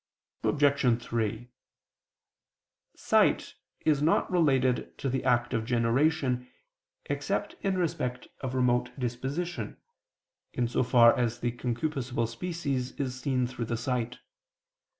Reply Obj. 3: Sight is not related to the act of generation except in respect of remote disposition, in so far as the concupiscible species is seen through the sight.